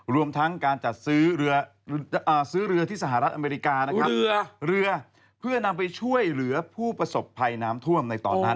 รวมทั้งการจัดซื้อเรือที่สหรัฐอเมริกาเพื่อนำไปช่วยเหลือผู้ประสบภัยน้ำท่วมในตอนนั้น